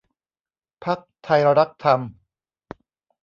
พรรคไทยรักธรรม